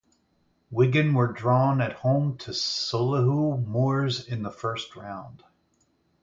Wigan were drawn at home to Solihull Moors in the first round.